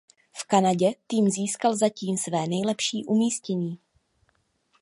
V Kanadě tým získal zatím své nejlepší umístění.